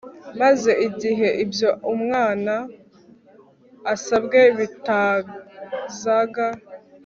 Maze igihe ibyo umwana asabye bitazaga